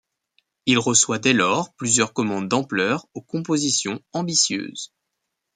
Il reçoit dès lors plusieurs commandes d'ampleur, aux compositions ambitieuses.